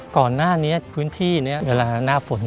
ก่อนหน้านี้พื้นที่นี้เวลาหน้าฝน